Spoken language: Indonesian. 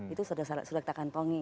itu sudah kita kantongi